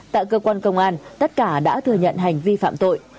tại cơ quan công an tất cả đã thừa nhận hành vi phạm tội